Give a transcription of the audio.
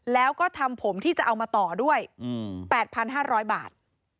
แล้วก็ทำผมที่จะเอามาต่อด้วย๘๕๐๐บาท